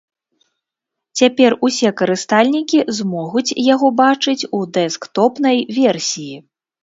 Цяпер усе карыстальнікі змогуць яго бачыць у дэсктопнай версіі.